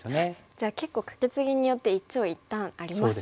じゃあ結構カケツギによって一長一短ありますね。